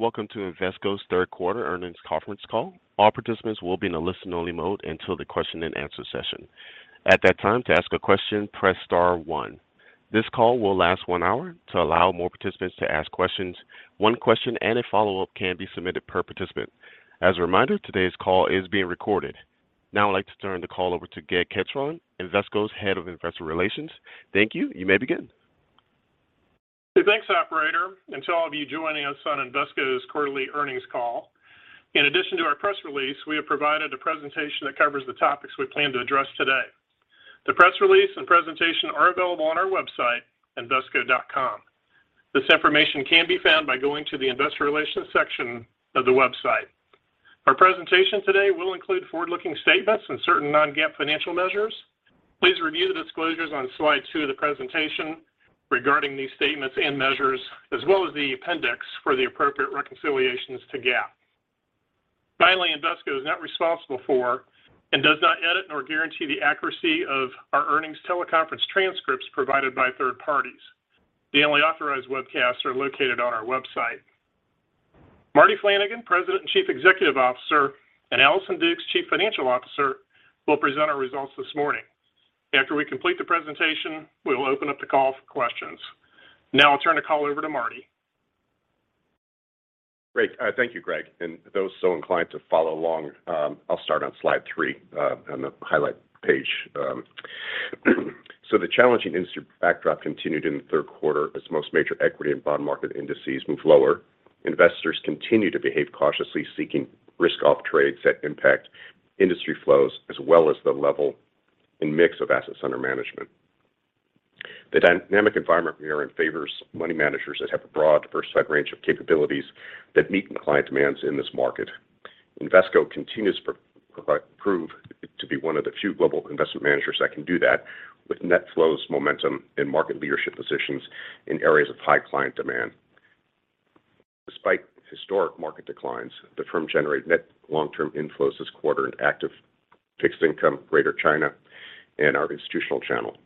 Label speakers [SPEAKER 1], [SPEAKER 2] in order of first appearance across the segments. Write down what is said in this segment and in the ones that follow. [SPEAKER 1] Welcome to Invesco's third quarter earnings conference call. All participants will be in a listen-only mode until the question and answer session. At that time, to ask a question, press star one. This call will last one hour. To allow more participants to ask questions, one question and a follow-up can be submitted per participant. As a reminder, today's call is being recorded. Now I'd like to turn the call over to Greg Ketron, Invesco's Head of Investor Relations. Thank you. You may begin.
[SPEAKER 2] Hey, thanks, operator. To all of you joining us on Invesco's quarterly earnings call. In addition to our press release, we have provided a presentation that covers the topics we plan to address today. The press release and presentation are available on our website, invesco.com. This information can be found by going to the investor relations section of the website. Our presentation today will include forward-looking statements and certain non-GAAP financial measures. Please review the disclosures on slide two of the presentation regarding these statements and measures, as well as the appendix for the appropriate reconciliations to GAAP. Finally, Invesco is not responsible for and does not edit or guarantee the accuracy of our earnings teleconference transcripts provided by third parties. The only authorized webcasts are located on our website. Marty Flanagan, President and Chief Executive Officer, and Allison Dukes, Chief Financial Officer, will present our results this morning. After we complete the presentation, we will open up the call for questions. Now I'll turn the call over to Marty.
[SPEAKER 3] Great. Thank you, Greg. Those so inclined to follow along, I'll start on slide three, on the highlight page. The challenging industry backdrop continued in the third quarter as most major equity and bond market indices moved lower. Investors continued to behave cautiously, seeking risk-off trades that impact industry flows, as well as the level and mix of assets under management. The dynamic environment we are in favors money managers that have a broad, diversified range of capabilities that meet client demands in this market. Invesco continues to prove to be one of the few global investment managers that can do that with net flows momentum and market leadership positions in areas of high client demand. Despite historic market declines, the firm generated net long-term inflows this quarter in active fixed income, Greater China, and our institutional channel.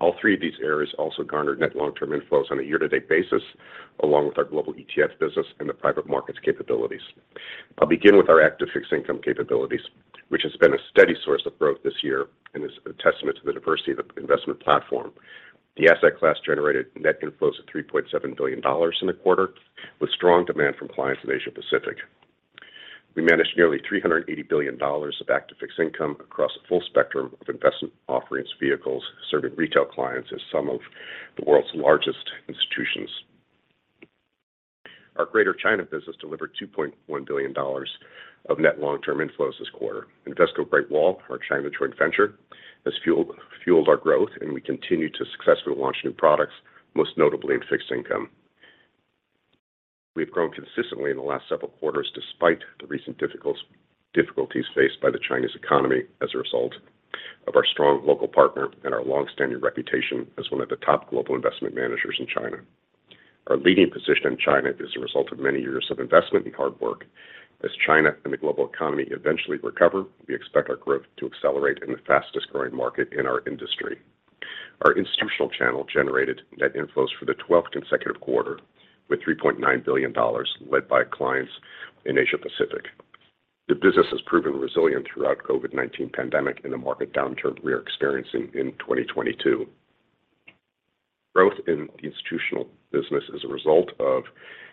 [SPEAKER 3] All three of these areas also garnered net long-term inflows on a year-to-date basis, along with our global ETF business and the private markets capabilities. I'll begin with our active fixed income capabilities, which has been a steady source of growth this year and is a testament to the diversity of the investment platform. The asset class generated net inflows of $3.7 billion in the quarter, with strong demand from clients in Asia Pacific. We managed nearly $380 billion of active fixed income across the full spectrum of investment offerings, vehicles serving retail clients as some of the world's largest institutions. Our Greater China business delivered $2.1 billion of net long-term inflows this quarter. Invesco Great Wall, our China joint venture, has fueled our growth, and we continue to successfully launch new products, most notably in fixed income. We've grown consistently in the last several quarters, despite the recent difficulties faced by the Chinese economy as a result of our strong local partner and our long-standing reputation as one of the top global investment managers in China. Our leading position in China is a result of many years of investment and hard work. As China and the global economy eventually recover, we expect our growth to accelerate in the fastest-growing market in our industry. Our institutional channel generated net inflows for the 12th consecutive quarter, with $3.9 billion led by clients in Asia Pacific. The business has proven resilient throughout COVID-19 pandemic in the market downturn we are experiencing in 2022. Growth in the institutional business is a result of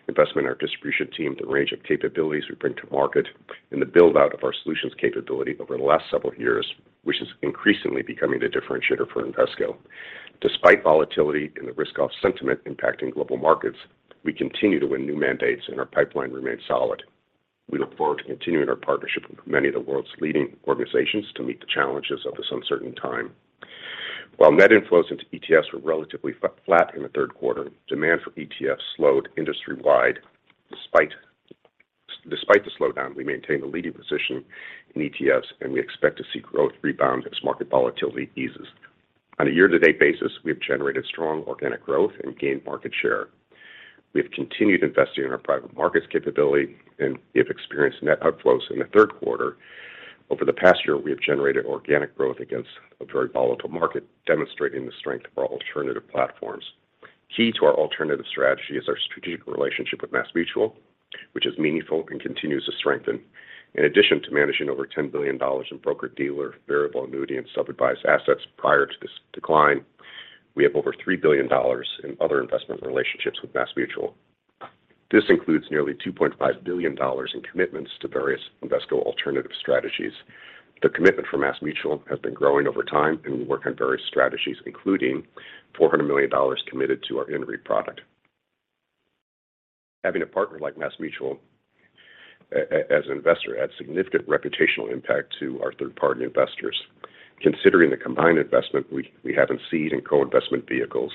[SPEAKER 3] investment in our distribution team, the range of capabilities we bring to market, and the build-out of our solutions capability over the last several years, which is increasingly becoming the differentiator for Invesco. Despite volatility and the risk-off sentiment impacting global markets, we continue to win new mandates and our pipeline remains solid. We look forward to continuing our partnership with many of the world's leading organizations to meet the challenges of this uncertain time. While net inflows into ETFs were relatively flat in the third quarter, demand for ETFs slowed industry-wide. Despite the slowdown, we maintained a leading position in ETFs, and we expect to see growth rebound as market volatility eases. On a year-to-date basis, we have generated strong organic growth and gained market share. We have continued investing in our private markets capability, and we have experienced net outflows in the third quarter. Over the past year, we have generated organic growth against a very volatile market, demonstrating the strength of our alternative platforms. Key to our alternative strategy is our strategic relationship with MassMutual, which is meaningful and continues to strengthen. In addition to managing over $10 billion in broker-dealer, variable annuity, and self-advised assets prior to this decline, we have over $3 billion in other investment relationships with MassMutual. This includes nearly $2.5 billion in commitments to various Invesco alternative strategies. The commitment from MassMutual has been growing over time, and we work on various strategies, including $400 million committed to our INREIT product. Having a partner like MassMutual as an investor adds significant reputational impact to our third-party investors. Considering the combined investment we have in seed and co-investment vehicles,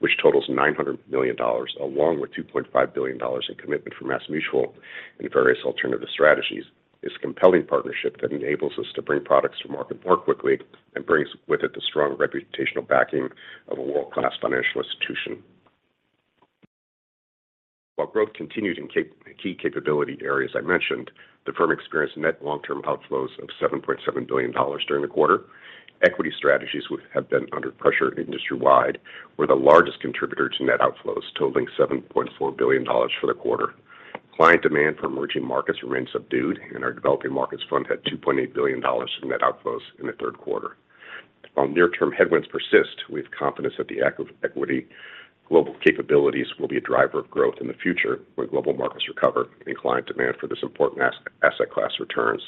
[SPEAKER 3] which totals $900 million, along with $2.5 billion in commitment from MassMutual in various alternative strategies, is a compelling partnership that enables us to bring products to market more quickly and brings with it the strong reputational backing of a world-class financial institution. While growth continues in key capability areas I mentioned, the firm experienced net long-term outflows of $7.7 billion during the quarter. Equity strategies have been under pressure industry-wide, with the largest contributor to net outflows totaling $7.4 billion for the quarter. Client demand for emerging markets remains subdued, and our developing markets fund had $2.8 billion in net outflows in the third quarter. While near-term headwinds persist, we have confidence that the equity global capabilities will be a driver of growth in the future when global markets recover and client demand for this important asset class returns.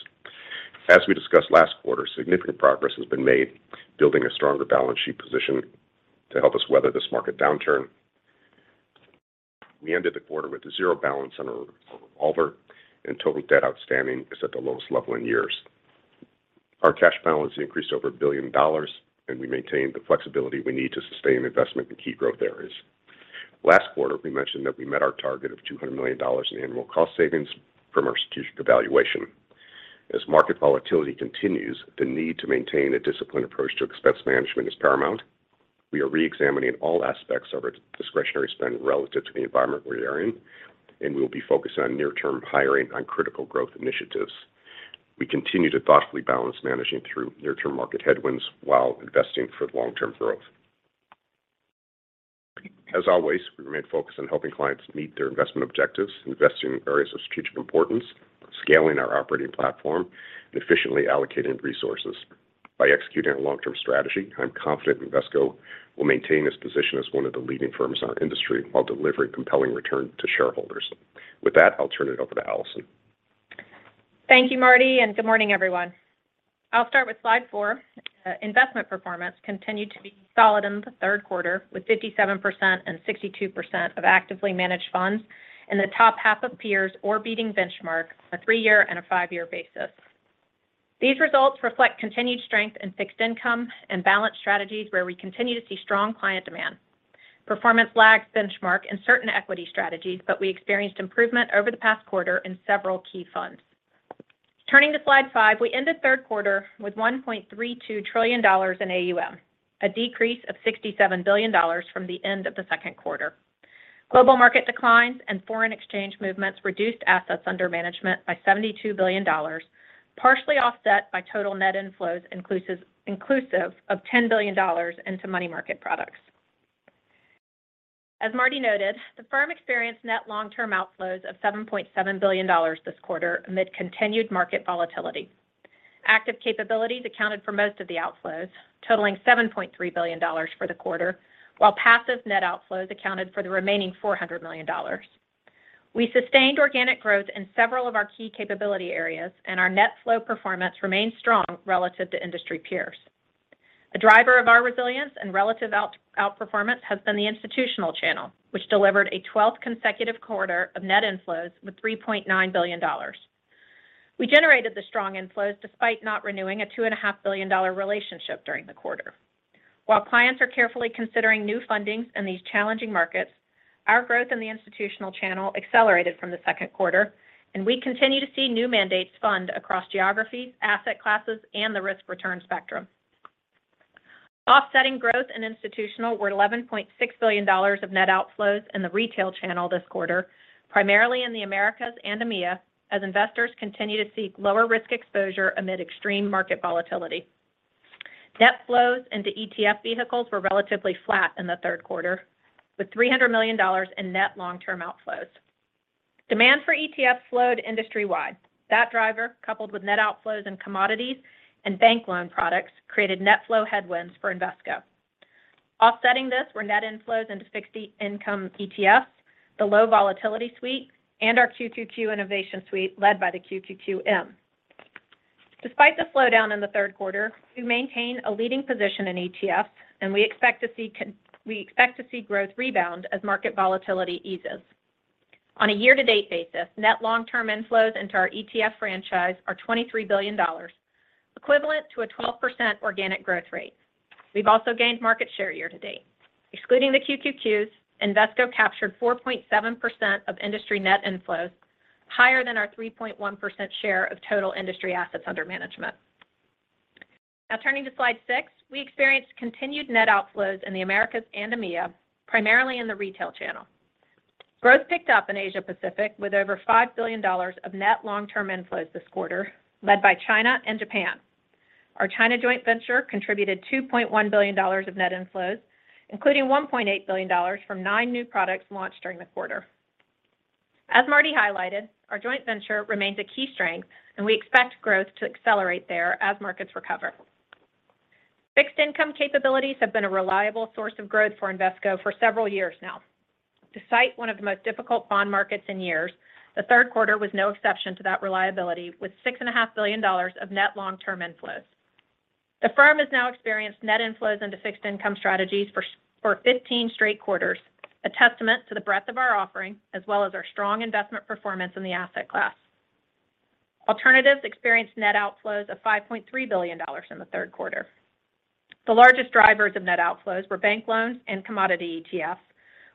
[SPEAKER 3] As we discussed last quarter, significant progress has been made building a stronger balance sheet position to help us weather this market downturn. We ended the quarter with a zero balance on our revolver and total debt outstanding is at the lowest level in years. Our cash balance increased over $1 billion and we maintained the flexibility we need to sustain investment in key growth areas. Last quarter, we mentioned that we met our target of $200 million in annual cost savings from our strategic evaluation. As market volatility continues, the need to maintain a disciplined approach to expense management is paramount. We are re-examining all aspects of our discretionary spend relative to the environment we are in, and we will be focused on near-term hiring on critical growth initiatives. We continue to thoughtfully balance managing through near-term market headwinds while investing for long-term growth. As always, we remain focused on helping clients meet their investment objectives, investing in areas of strategic importance, scaling our operating platform, and efficiently allocating resources. By executing our long-term strategy, I'm confident Invesco will maintain its position as one of the leading firms in our industry while delivering compelling return to shareholders. With that, I'll turn it over to Allison.
[SPEAKER 4] Thank you, Marty, and good morning, everyone. I'll start with slide four. Investment performance continued to be solid in the third quarter, with 57% and 62% of actively managed funds in the top half of peers or beating benchmark on a three-year and a five-year basis. These results reflect continued strength in fixed income and balanced strategies where we continue to see strong client demand. Performance lagged benchmark in certain equity strategies, but we experienced improvement over the past quarter in several key funds. Turning to slide five, we ended third quarter with $1.32 trillion in AUM, a decrease of $67 billion from the end of the second quarter. Global market declines and foreign exchange movements reduced assets under management by $72 billion, partially offset by total net inflows inclusive of $10 billion into money market products. As Marty noted, the firm experienced net long-term outflows of $7.7 billion this quarter amid continued market volatility. Active capabilities accounted for most of the outflows, totaling $7.3 billion for the quarter, while passive net outflows accounted for the remaining $400 million. We sustained organic growth in several of our key capability areas, and our net flow performance remains strong relative to industry peers. A driver of our resilience and relative outperformance has been the institutional channel, which delivered a 12th consecutive quarter of net inflows with $3.9 billion. We generated the strong inflows despite not renewing a $2.5 billion relationship during the quarter. While clients are carefully considering new fundings in these challenging markets, our growth in the institutional channel accelerated from the second quarter, and we continue to see new mandates fund across geographies, asset classes, and the risk-return spectrum. Offsetting growth in institutional were $11.6 billion of net outflows in the retail channel this quarter, primarily in the Americas and EMEA, as investors continue to seek lower risk exposure amid extreme market volatility. Net flows into ETF vehicles were relatively flat in the third quarter, with $300 million in net long-term outflows. Demand for ETFs slowed industry-wide. That driver, coupled with net outflows in commodities and bank loan products, created net flow headwinds for Invesco. Offsetting this were net inflows into fixed income ETFs, the low volatility suite, and our QQQ innovation suite led by the QQQM. Despite the slowdown in the third quarter, we maintain a leading position in ETFs, and we expect to see growth rebound as market volatility eases. On a year-to-date basis, net long-term inflows into our ETF franchise are $23 billion, equivalent to a 12% organic growth rate. We've also gained market share year to date. Excluding the QQQs, Invesco captured 4.7% of industry net inflows, higher than our 3.1% share of total industry assets under management. Now turning to slide six, we experienced continued net outflows in the Americas and EMEA, primarily in the retail channel. Growth picked up in Asia Pacific with over $5 billion of net long-term inflows this quarter, led by China and Japan. Our China joint venture contributed $2.1 billion of net inflows, including $1.8 billion from nine new products launched during the quarter. As Marty highlighted, our joint venture remains a key strength, and we expect growth to accelerate there as markets recover. Fixed income capabilities have been a reliable source of growth for Invesco for several years now. To cite one of the most difficult bond markets in years, the third quarter was no exception to that reliability, with $6.5 billion of net long-term inflows. The firm has now experienced net inflows into fixed income strategies for 15 straight quarters, a testament to the breadth of our offering, as well as our strong investment performance in the asset class. Alternatives experienced net outflows of $5.3 billion in the third quarter. The largest drivers of net outflows were bank loans and commodity ETFs,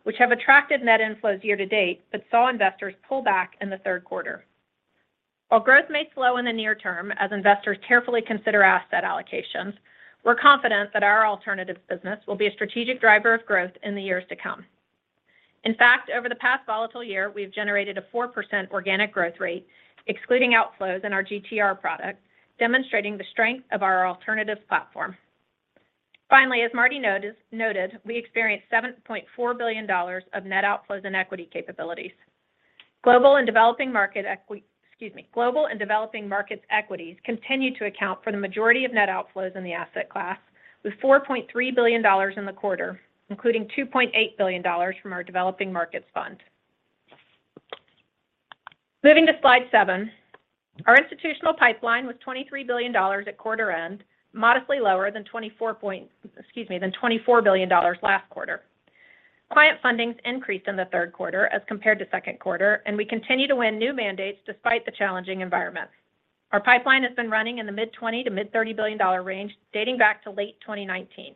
[SPEAKER 4] which have attracted net inflows year to date, but saw investors pull back in the third quarter. While growth may slow in the near term as investors carefully consider asset allocations, we're confident that our alternatives business will be a strategic driver of growth in the years to come. In fact, over the past volatile year, we have generated a 4% organic growth rate, excluding outflows in our GTR product, demonstrating the strength of our alternatives platform. Finally, as Marty noted, we experienced $7.4 billion of net outflows in equity capabilities. Excuse me. Global and developing markets equities continue to account for the majority of net outflows in the asset class, with $4.3 billion in the quarter, including $2.8 billion from our developing markets fund. Moving to slide seven, our institutional pipeline was $23 billion at quarter end, modestly lower than $24 billion last quarter. Client fundings increased in the third quarter as compared to second quarter, and we continue to win new mandates despite the challenging environment. Our pipeline has been running in the mid-$20 billion to mid-$30 billion range dating back to late 2019.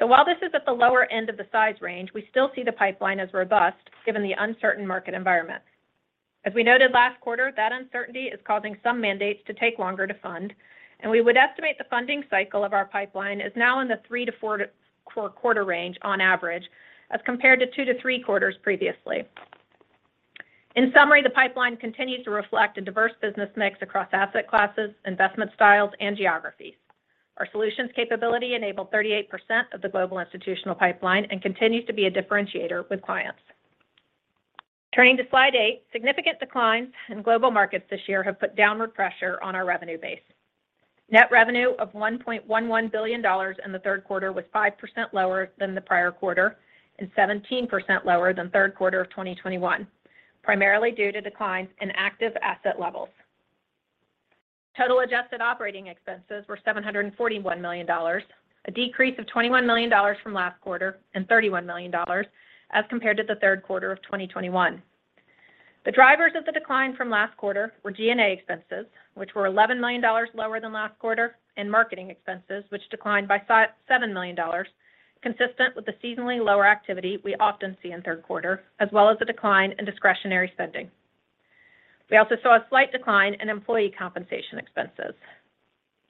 [SPEAKER 4] While this is at the lower end of the size range, we still see the pipeline as robust given the uncertain market environment. As we noted last quarter, that uncertainty is causing some mandates to take longer to fund, and we would estimate the funding cycle of our pipeline is now in the three-four quarter range on average as compared to two-three quarters previously. In summary, the pipeline continues to reflect a diverse business mix across asset classes, investment styles and geographies. Our solutions capability enabled 38% of the global institutional pipeline and continues to be a differentiator with clients. Turning to slide eight, significant declines in global markets this year have put downward pressure on our revenue base. Net revenue of $1.11 billion in the third quarter was 5% lower than the prior quarter and 17% lower than third quarter of 2021, primarily due to declines in active asset levels. Total adjusted operating expenses were $741 million, a decrease of $21 million from last quarter and $31 million as compared to the third quarter of 2021. The drivers of the decline from last quarter were G&A expenses, which were $11 million lower than last quarter, and marketing expenses, which declined by $7 million, consistent with the seasonally lower activity we often see in third quarter, as well as a decline in discretionary spending. We also saw a slight decline in employee compensation expenses.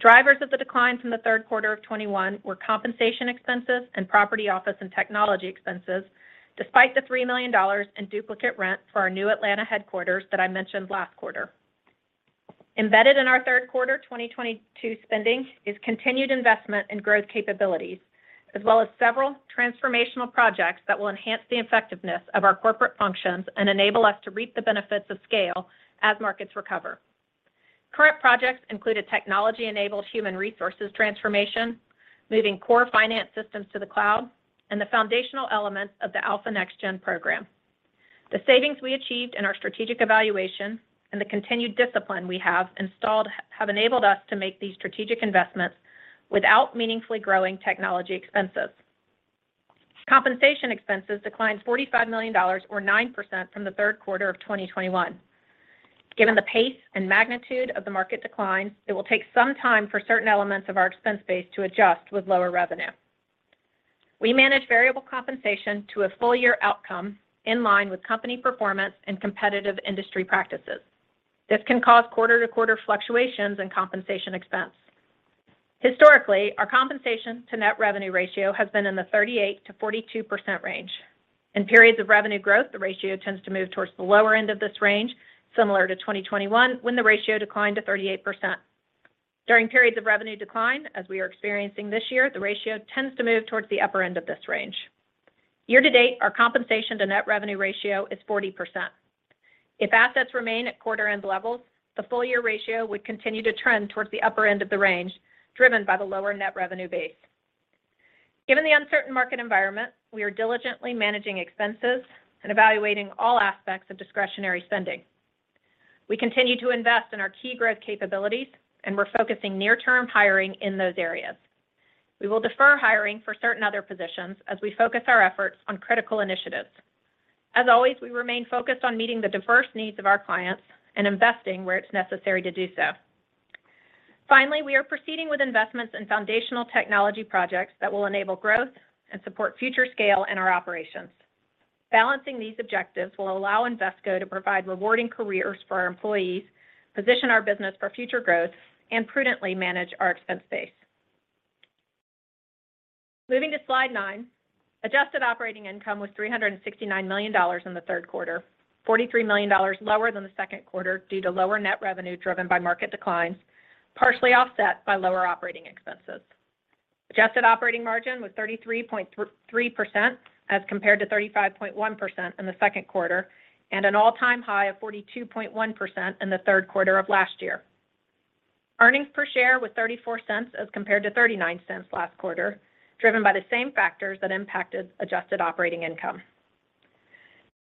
[SPEAKER 4] Drivers of the decline from the third quarter of 2021 were compensation expenses and property office and technology expenses, despite the $3 million in duplicate rent for our new Atlanta headquarters that I mentioned last quarter. Embedded in our third quarter 2022 spending is continued investment in growth capabilities, as well as several transformational projects that will enhance the effectiveness of our corporate functions and enable us to reap the benefits of scale as markets recover. Current projects include a technology-enabled human resources transformation, moving core finance systems to the cloud, and the foundational elements of the Alpha Next Gen program. The savings we achieved in our strategic evaluation and the continued discipline we have installed have enabled us to make these strategic investments without meaningfully growing technology expenses. Compensation expenses declined $45 million or 9% from the third quarter of 2021. Given the pace and magnitude of the market declines, it will take some time for certain elements of our expense base to adjust with lower revenue. We manage variable compensation to a full year outcome in line with company performance and competitive industry practices. This can cause quarter-to-quarter fluctuations in compensation expense. Historically, our compensation to net revenue ratio has been in the 38%-42% range. In periods of revenue growth, the ratio tends to move towards the lower end of this range, similar to 2021 when the ratio declined to 38%. During periods of revenue decline, as we are experiencing this year, the ratio tends to move towards the upper end of this range. Year to date, our compensation to net revenue ratio is 40%. If assets remain at quarter end levels, the full year ratio would continue to trend towards the upper end of the range, driven by the lower net revenue base. Given the uncertain market environment, we are diligently managing expenses and evaluating all aspects of discretionary spending. We continue to invest in our key growth capabilities and we're focusing near-term hiring in those areas. We will defer hiring for certain other positions as we focus our efforts on critical initiatives. As always, we remain focused on meeting the diverse needs of our clients and investing where it's necessary to do so. Finally, we are proceeding with investments in foundational technology projects that will enable growth and support future scale in our operations. Balancing these objectives will allow Invesco to provide rewarding careers for our employees, position our business for future growth, and prudently manage our expense base. Moving to slide nine, adjusted operating income was $369 million in the third quarter, $43 million lower than the second quarter due to lower net revenue driven by market declines, partially offset by lower operating expenses. Adjusted operating margin was 33.3% as compared to 35.1% in the second quarter and an all-time high of 42.1% in the third quarter of last year. Earnings per share was $0.34 as compared to $0.39 last quarter, driven by the same factors that impacted adjusted operating income.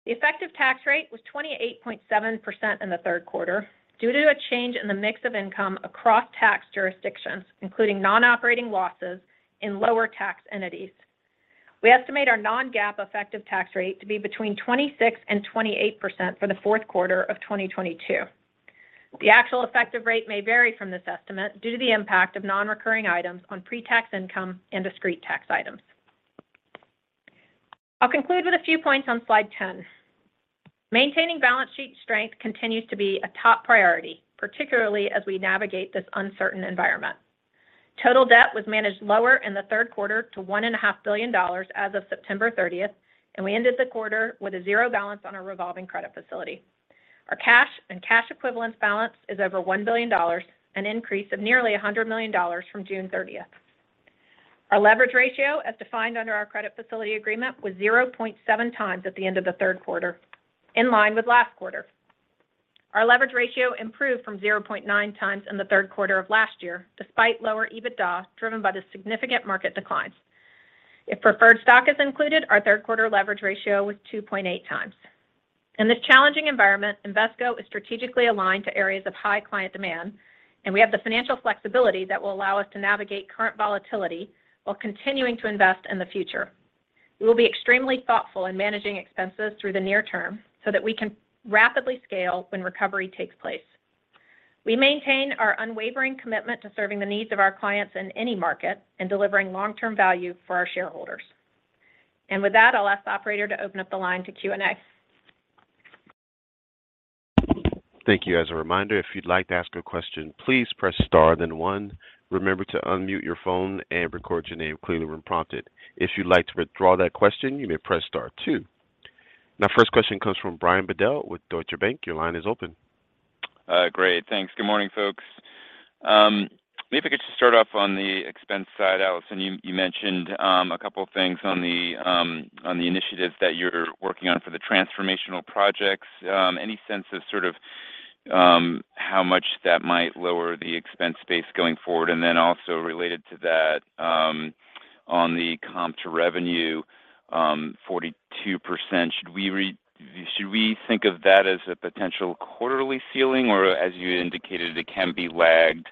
[SPEAKER 4] The effective tax rate was 28.7% in the third quarter due to a change in the mix of income across tax jurisdictions, including non-operating losses in lower tax entities. We estimate our non-GAAP effective tax rate to be between 26% and 28% for the fourth quarter of 2022. The actual effective rate may vary from this estimate due to the impact of non-recurring items on pre-tax income and discrete tax items. I'll conclude with a few points on slide 10. Maintaining balance sheet strength continues to be a top priority, particularly as we navigate this uncertain environment. Total debt was managed lower in the third quarter to $1.5 billion as of September 30, and we ended the quarter with a zero balance on our revolving credit facility. Our cash and cash equivalents balance is over $1 billion, an increase of nearly $100 million from June 30. Our leverage ratio as defined under our credit facility agreement was 0.7 times at the end of the third quarter, in line with last quarter. Our leverage ratio improved from 0.9 times in the third quarter of last year, despite lower EBITDA, driven by the significant market declines. If preferred stock is included, our third quarter leverage ratio was 2.8 times. In this challenging environment, Invesco is strategically aligned to areas of high client demand, and we have the financial flexibility that will allow us to navigate current volatility while continuing to invest in the future. We will be extremely thoughtful in managing expenses through the near term so that we can rapidly scale when recovery takes place. We maintain our unwavering commitment to serving the needs of our clients in any market and delivering long-term value for our shareholders. With that, I'll ask operator to open up the line to Q&A.
[SPEAKER 1] Thank you. As a reminder, if you'd like to ask a question, please press star then one. Remember to unmute your phone and record your name clearly when prompted. If you'd like to withdraw that question, you may press star two. Now first question comes from Brian Bedell with Deutsche Bank. Your line is open.
[SPEAKER 5] Great. Thanks. Good morning, folks. Maybe I could just start off on the expense side. Allison, you mentioned a couple things on the initiatives that you're working on for the transformational projects. Any sense of sort of how much that might lower the expense base going forward? Then also related to that, on the comp to revenue, 42%, should we think of that as a potential quarterly ceiling, or as you indicated, it can be lagged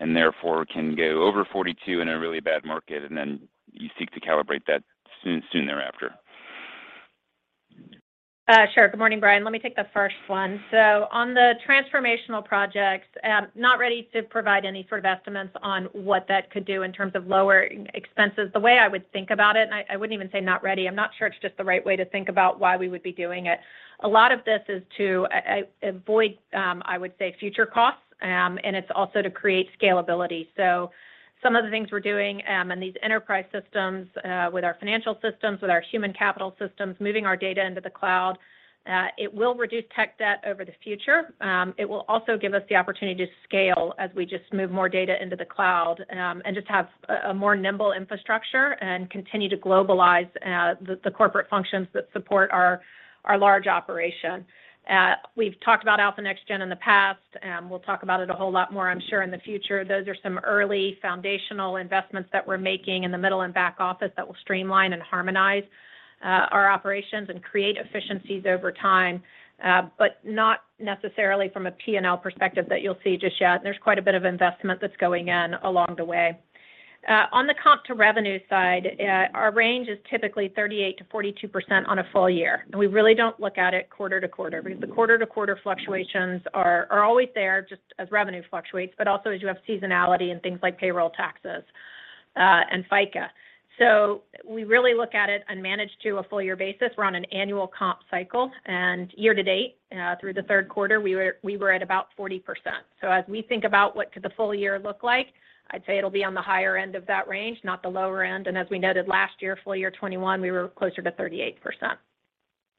[SPEAKER 5] and therefore can go over 42% in a really bad market, and then you seek to calibrate that soon thereafter?
[SPEAKER 4] Sure. Good morning, Brian. Let me take the first one. On the transformational projects, not ready to provide any sort of estimates on what that could do in terms of lower expenses. The way I would think about it, and I wouldn't even say not ready. I'm not sure it's just the right way to think about why we would be doing it. A lot of this is to avoid, I would say, future costs, and it's also to create scalability. Some of the things we're doing, in these enterprise systems, with our financial systems, with our human capital systems, moving our data into the cloud, it will reduce tech debt over the future. It will also give us the opportunity to scale as we just move more data into the cloud, and just have a more nimble infrastructure and continue to globalize the corporate functions that support our large operation. We've talked about Alpha Next Gen in the past, and we'll talk about it a whole lot more, I'm sure, in the future. Those are some early foundational investments that we're making in the middle and back office that will streamline and harmonize our operations and create efficiencies over time, but not necessarily from a P&L perspective that you'll see just yet. There's quite a bit of investment that's going in along the way. On the comp to revenue side, our range is typically 38%-42% on a full year. We really don't look at it quarter to quarter because the quarter-to-quarter fluctuations are always there just as revenue fluctuates, but also as you have seasonality and things like payroll taxes, and FICA. We really look at it and manage to a full year basis. We're on an annual comp cycle, and year to date, through the third quarter, we were at about 40%. As we think about what could the full year look like, I'd say it'll be on the higher end of that range, not the lower end. As we noted last year, full year 2021, we were closer to 38%.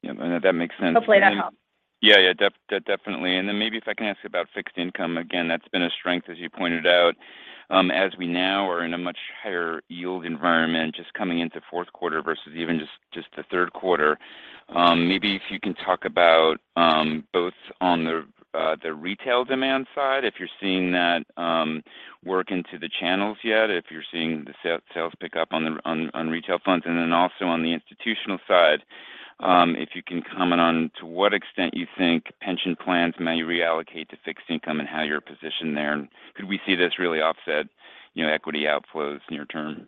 [SPEAKER 5] Yeah. No, that makes sense.
[SPEAKER 4] Hopefully that helps.
[SPEAKER 5] Yeah, yeah, definitely. Maybe if I can ask about fixed income. Again, that's been a strength, as you pointed out. As we now are in a much higher yield environment just coming into fourth quarter versus even the third quarter, maybe if you can talk about both on the retail demand side, if you're seeing that work into the channels yet, if you're seeing the sales pick up on the retail funds, and then also on the institutional side, if you can comment on to what extent you think pension plans may reallocate to fixed income and how you're positioned there. Could we see this really offset, you know, equity outflows near term?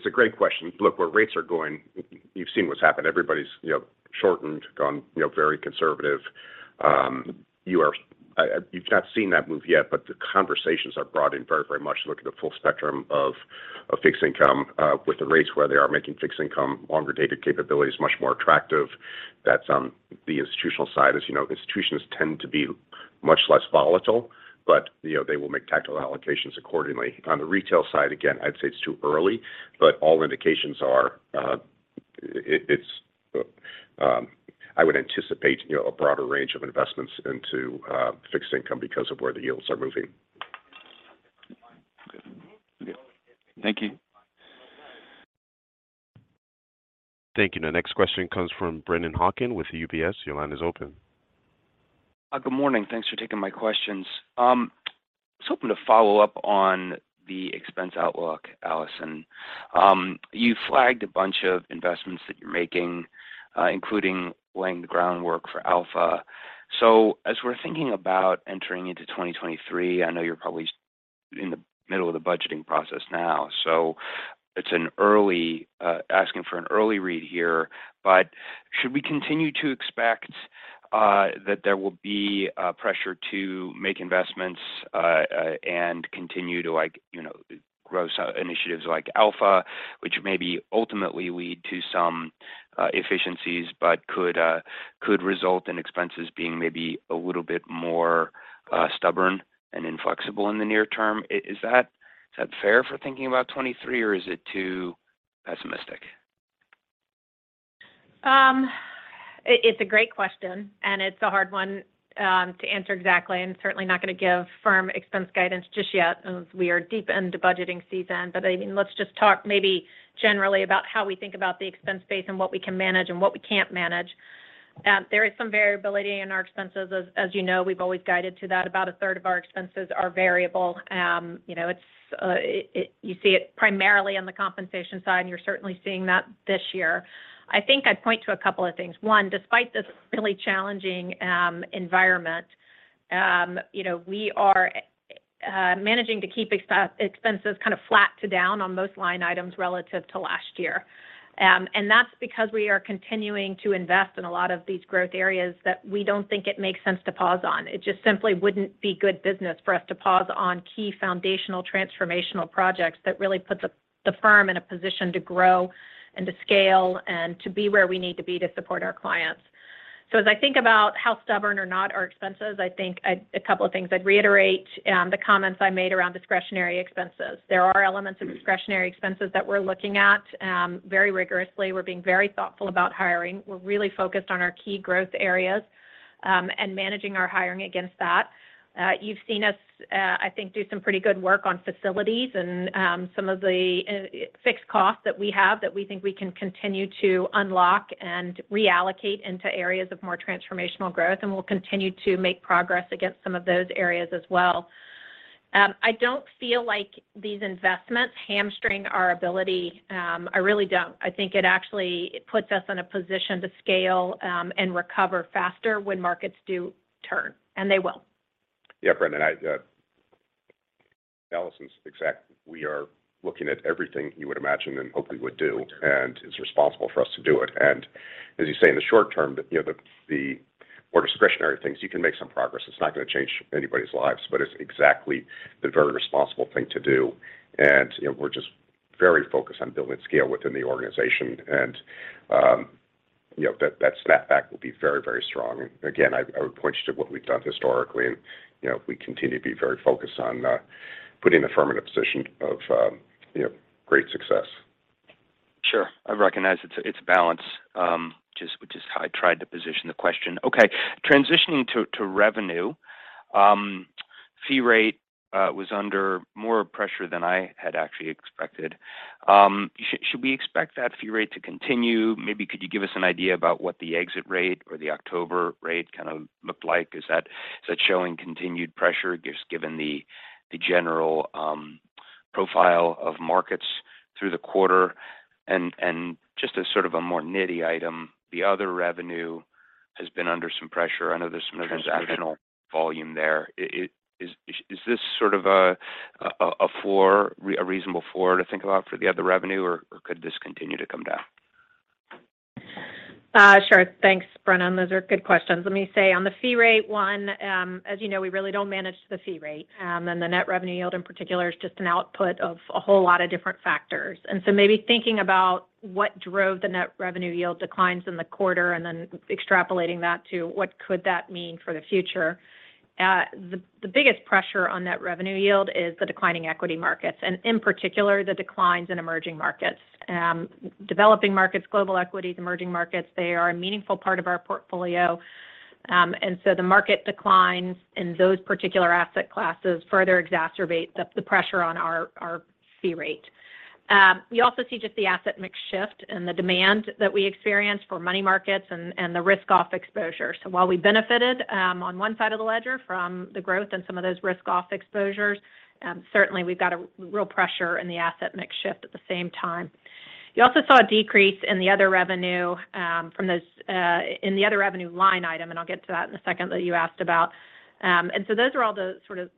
[SPEAKER 3] It's a great question. Look, where rates are going, you've seen what's happened. Everybody's, you know, shortened, gone, you know, very conservative. You've not seen that move yet, but the conversations are broad and very much look at the full spectrum of fixed income. With the rates where they are making fixed income, longer-dated capability is much more attractive. That's on the institutional side. As you know, institutions tend to be much less volatile, but, you know, they will make tactical allocations accordingly. On the retail side, again, I'd say it's too early, but all indications are, I would anticipate, you know, a broader range of investments into fixed income because of where the yields are moving.
[SPEAKER 5] Thank you.
[SPEAKER 1] Thank you. Now next question comes from Brennan Hawken with UBS. Your line is open.
[SPEAKER 6] Good morning. Thanks for taking my questions. I was hoping to follow up on the expense outlook, Allison. You flagged a bunch of investments that you're making, including laying the groundwork for Alpha. As we're thinking about entering into 2023, I know you're probably in the middle of the budgeting process now, so it's an early asking for an early read here, but should we continue to expect that there will be pressure to make investments and continue to like, you know, grow some initiatives like Alpha, which maybe ultimately lead to some efficiencies, but could result in expenses being maybe a little bit more stubborn and inflexible in the near term. Is that fair for thinking about 2023, or is it too pessimistic?
[SPEAKER 4] It's a great question, and it's a hard one to answer exactly, and certainly not gonna give firm expense guidance just yet as we are deep into budgeting season. I mean, let's just talk maybe generally about how we think about the expense base and what we can manage and what we can't manage. There is some variability in our expenses. As you know, we've always guided to that. About a third of our expenses are variable. You know, you see it primarily on the compensation side, and you're certainly seeing that this year. I think I'd point to a couple of things. One, despite this really challenging environment, you know, we are managing to keep expenses kind of flat to down on most line items relative to last year. That's because we are continuing to invest in a lot of these growth areas that we don't think it makes sense to pause on. It just simply wouldn't be good business for us to pause on key foundational transformational projects that really put the firm in a position to grow and to scale and to be where we need to be to support our clients. As I think about how stubborn or not our expenses, I think a couple of things. I'd reiterate the comments I made around discretionary expenses. There are elements of discretionary expenses that we're looking at very rigorously. We're being very thoughtful about hiring. We're really focused on our key growth areas and managing our hiring against that. You've seen us, I think do some pretty good work on facilities and some of the fixed costs that we have that we think we can continue to unlock and reallocate into areas of more transformational growth, and we'll continue to make progress against some of those areas as well. I don't feel like these investments hamstring our ability. I really don't. I think it actually puts us in a position to scale and recover faster when markets do turn, and they will.
[SPEAKER 3] Yeah, Brennan, I, Allison's exact. We are looking at everything you would imagine and hope we would do, and it's responsible for us to do it. As you say, in the short term, the more discretionary things, you can make some progress. It's not gonna change anybody's lives, but it's exactly the very responsible thing to do. We're just very focused on building scale within the organization. That snap back will be very, very strong. Again, I would point you to what we've done historically. We continue to be very focused on putting the firm in a position of great success.
[SPEAKER 6] Sure. I recognize it's a balance, just how I tried to position the question. Okay. Transitioning to revenue, fee rate was under more pressure than I had actually expected. Should we expect that fee rate to continue? Maybe could you give us an idea about what the exit rate or the October rate kind of looked like? Is that showing continued pressure just given the general profile of markets through the quarter? Just as sort of a more nitty item, the other revenue has been under some pressure. I know there's some transactional volume there. Is this sort of a reasonable floor to think about for the other revenue, or could this continue to come down?
[SPEAKER 4] Sure. Thanks, Brennan. Those are good questions. Let me say on the fee rate one, as you know, we really don't manage the fee rate. The net revenue yield in particular is just an output of a whole lot of different factors. Maybe thinking about what drove the net revenue yield declines in the quarter and then extrapolating that to what could that mean for the future. The biggest pressure on net revenue yield is the declining equity markets and, in particular, the declines in emerging markets. Developing markets, global equities, emerging markets, they are a meaningful part of our portfolio. The market declines in those particular asset classes further exacerbate the pressure on our fee rate. We also see just the asset mix shift and the demand that we experience for money markets and the risk-off exposure. While we benefited, on one side of the ledger from the growth and some of those risk-off exposures, certainly we've got a real pressure in the asset mix shift at the same time. You also saw a decrease in the other revenue, from those, in the other revenue line item, and I'll get to that in a second that you asked about. Those are all the sort of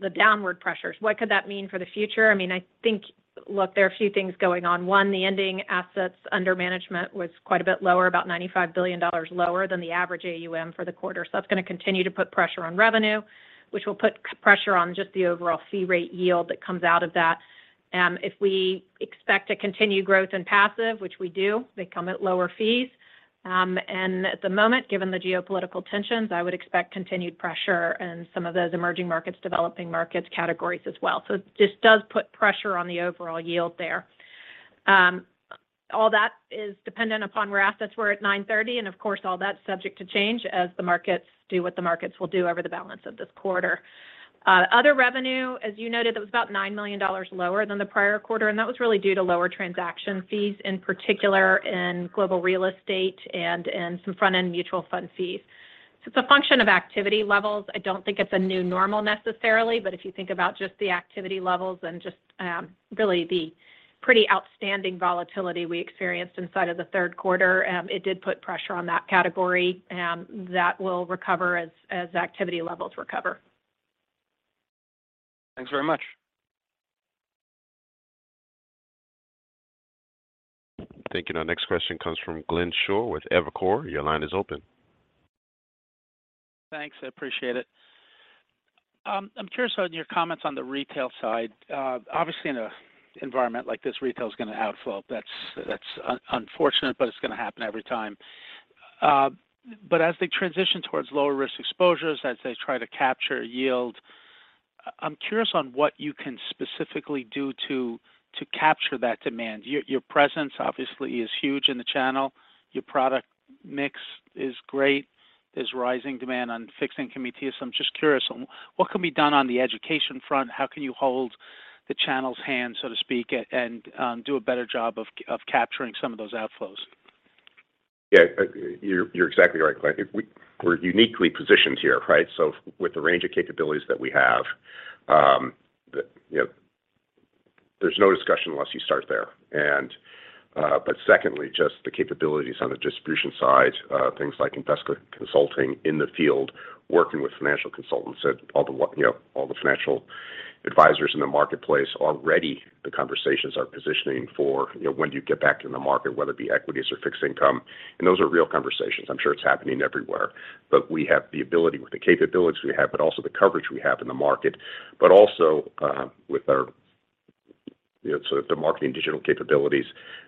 [SPEAKER 4] the downward pressures. What could that mean for the future? I mean, I think. Look, there are a few things going on. One, the ending assets under management was quite a bit lower, about $95 billion lower than the average AUM for the quarter. That's gonna continue to put pressure on revenue, which will put pressure on just the overall fee rate yield that comes out of that. If we expect to continue growth in passive, which we do, they come at lower fees. At the moment, given the geopolitical tensions, I would expect continued pressure in some of those emerging markets, developing markets categories as well. It just does put pressure on the overall yield there. All that is dependent upon where assets were at 9/30, and of course, all that's subject to change as the markets do what the markets will do over the balance of this quarter. Other revenue, as you noted, it was about $9 million lower than the prior quarter, and that was really due to lower transaction fees, in particular in global real estate and in some front-end mutual fund fees. It's a function of activity levels. I don't think it's a new normal necessarily, but if you think about just the activity levels and just really the pretty outstanding volatility we experienced inside of the third quarter, it did put pressure on that category, that will recover as activity levels recover.
[SPEAKER 6] Thanks very much.
[SPEAKER 1] Thank you. Our next question comes from Glenn Schorr with Evercore. Your line is open.
[SPEAKER 7] Thanks. I appreciate it. I'm curious on your comments on the retail side. Obviously, in an environment like this, retail is gonna outflow. That's unfortunate, but it's gonna happen every time. As they transition towards lower risk exposures, as they try to capture yield, I'm curious on what you can specifically do to capture that demand. Your presence obviously is huge in the channel. Your product mix is great. There's rising demand on fixed income ETFs. I'm just curious on what can be done on the education front, how can you hold the channel's hand, so to speak, and do a better job of capturing some of those outflows?
[SPEAKER 3] Yeah. You're exactly right, Glenn. We're uniquely positioned here, right? With the range of capabilities that we have, you know, there's no discussion unless you start there. Secondly, just the capabilities on the distribution side, things like Invesco Consulting in the field, working with financial consultants at all the financial advisors in the marketplace. Already the conversations are positioning for, you know, when do you get back in the market, whether it be equities or fixed income. Those are real conversations. I'm sure it's happening everywhere. We have the ability with the capabilities we have, but also the coverage we have in the market, but also with our, you know, sort of the marketing digital capabilities,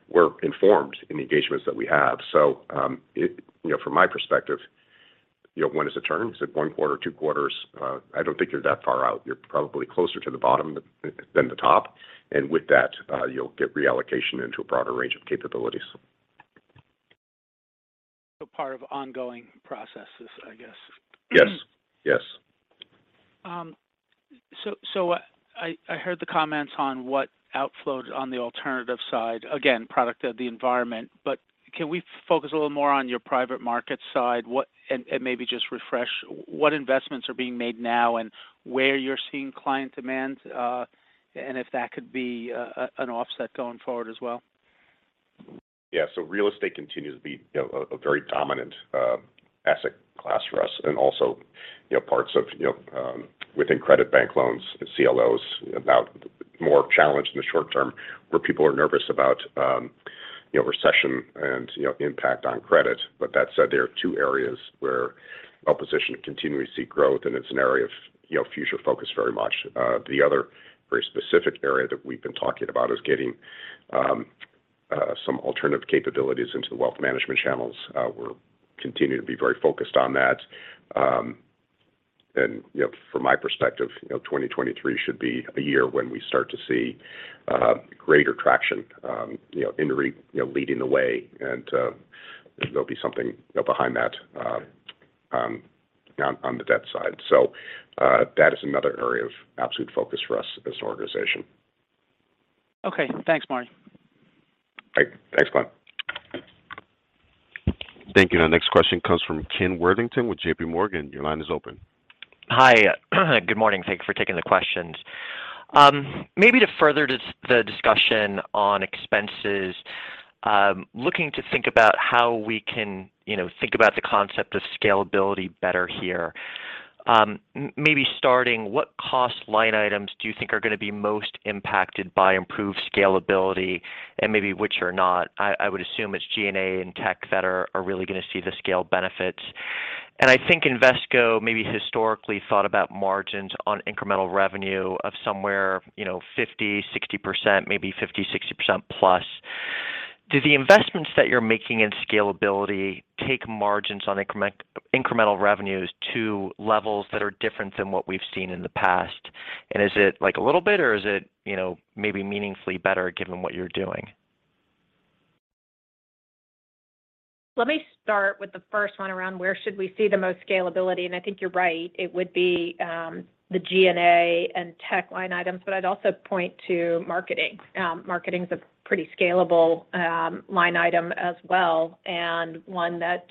[SPEAKER 3] we're informed in the engagements that we have. From my perspective, you know, when is the turn? Is it one quarter, two quarters? I don't think you're that far out. You're probably closer to the bottom than the top. With that, you'll get reallocation into a broader range of capabilities.
[SPEAKER 7] Part of ongoing processes, I guess.
[SPEAKER 3] Yes. Yes.
[SPEAKER 7] I heard the comments on what outflows on the alternative side, again, product of the environment. Can we focus a little more on your private market side, and maybe just refresh what investments are being made now and where you're seeing client demand, and if that could be an offset going forward as well?
[SPEAKER 3] Yeah. Real estate continues to be a very dominant asset class for us and also, you know, parts of, you know, within credit, bank loans and CLOs a bit more challenged in the short term where people are nervous about, you know, recession and, you know, impact on credit. That said, there are two areas where opposition continue to see growth, and it's an area of, you know, future focus very much. The other very specific area that we've been talking about is getting some alternative capabilities into the wealth management channels. We'll continue to be very focused on that. You know, from my perspective, you know, 2023 should be a year when we start to see greater traction, you know, leading the way. There'll be something behind that on the debt side. That is another area of absolute focus for us as an organization.
[SPEAKER 7] Okay. Thanks, Marty.
[SPEAKER 3] Thanks, Glenn.
[SPEAKER 1] Thank you. Our next question comes from Ken Worthington with JPMorgan. Your line is open.
[SPEAKER 8] Hi. Good morning. Thank you for taking the questions. Maybe to further the discussion on expenses, looking to think about how we can, you know, think about the concept of scalability better here. Maybe starting, what cost line items do you think are going to be most impacted by improved scalability and maybe which are not? I would assume it's G&A and tech that are really going to see the scale benefits. I think Invesco maybe historically thought about margins on incremental revenue of somewhere, you know, 50%-60%, maybe 50%-60% plus. Do the investments that you're making in scalability take margins on incremental revenues to levels that are different than what we've seen in the past? Is it like a little bit or is it, you know, maybe meaningfully better given what you're doing?
[SPEAKER 4] Let me start with the first one around where should we see the most scalability, and I think you're right. It would be the G&A and tech line items. I'd also point to marketing. Marketing is a pretty scalable line item as well, and one that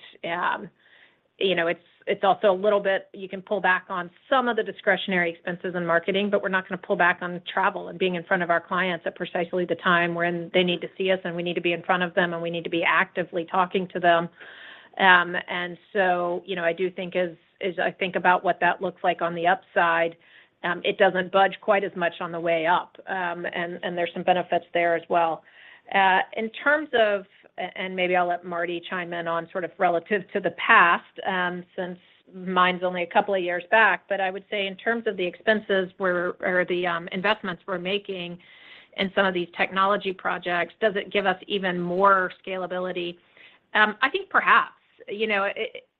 [SPEAKER 4] you know, it's also a little bit you can pull back on some of the discretionary expenses in marketing, but we're not going to pull back on travel and being in front of our clients at precisely the time when they need to see us, and we need to be in front of them, and we need to be actively talking to them. You know, I do think as I think about what that looks like on the upside, it doesn't budge quite as much on the way up. There's some benefits there as well. In terms of and maybe I'll let Marty chime in on sort of relative to the past, since mine's only a couple of years back. I would say in terms of the investments we're making in some of these technology projects, does it give us even more scalability? I think perhaps. You know,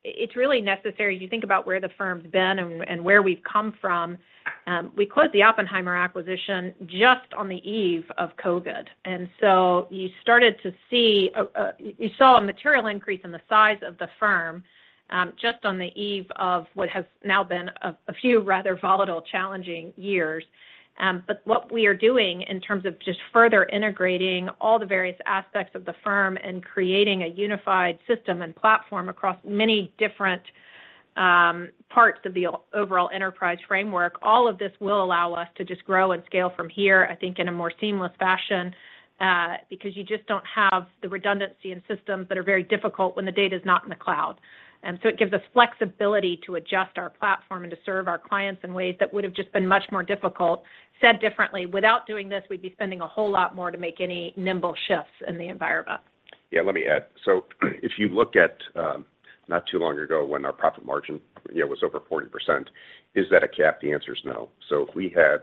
[SPEAKER 4] it's really necessary. You think about where the firm's been and where we've come from. We closed the Oppenheimer acquisition just on the eve of COVID. You saw a material increase in the size of the firm, just on the eve of what has now been a few rather volatile, challenging years. What we are doing in terms of just further integrating all the various aspects of the firm and creating a unified system and platform across many different parts of the overall enterprise framework, all of this will allow us to just grow and scale from here, I think in a more seamless fashion, because you just don't have the redundancy in systems that are very difficult when the data is not in the cloud. It gives us flexibility to adjust our platform and to serve our clients in ways that would have just been much more difficult. Said differently, without doing this, we'd be spending a whole lot more to make any nimble shifts in the environment.
[SPEAKER 3] Yeah, let me add. If you look at not too long ago when our profit margin, you know, was over 40%, is that a cap? The answer is no. If we had,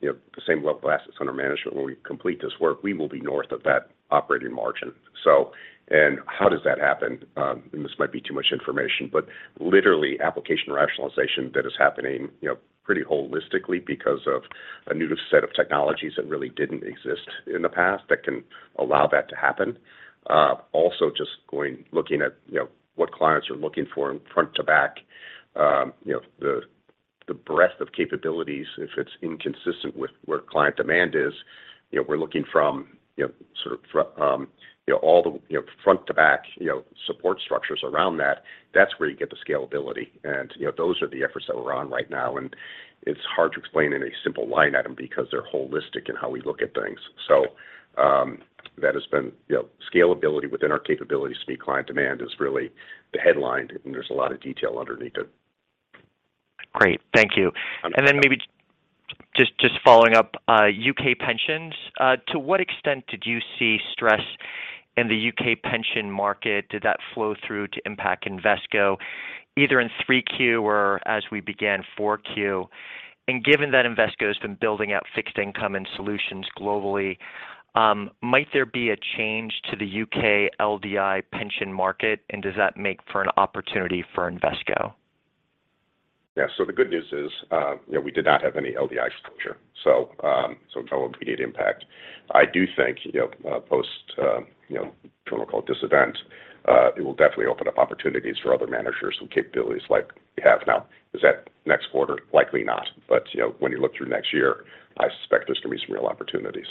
[SPEAKER 3] you know, the same level of assets under management when we complete this work, we will be north of that operating margin. How does that happen? This might be too much information, but literally application rationalization that is happening, you know, pretty holistically because of a new set of technologies that really didn't exist in the past that can allow that to happen. Also just looking at, you know, what clients are looking for in front to back, you know, the breadth of capabilities, if it's inconsistent with where client demand is, you know, we're looking from, you know, sort of, you know, all the, you know, front to back, you know, support structures around that's where you get the scalability, and, you know, those are the efforts that we're on right now. It's hard to explain in a simple line item because they're holistic in how we look at things. That has been, you know, scalability within our capability to meet client demand is really the headline, and there's a lot of detail underneath it.
[SPEAKER 8] Great. Thank you.
[SPEAKER 3] Understood.
[SPEAKER 8] Maybe just following up, U.K. pensions. To what extent did you see stress in the U.K. pension market? Did that flow through to impact Invesco either in 3Q or as we began 4Q? Given that Invesco has been building out fixed income and solutions globally, might there be a change to the U.K. LDI pension market, and does that make for an opportunity for Invesco?
[SPEAKER 3] Yeah. The good news is, you know, we did not have any LDI exposure, so no immediate impact. I do think, you know, post, you know, quote-unquote, "this event," it will definitely open up opportunities for other managers with capabilities like we have now. Is that next quarter? Likely not. You know, when you look through next year, I suspect there's gonna be some real opportunities.